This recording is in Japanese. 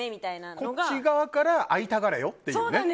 こっち側から会いたがれよっていうね。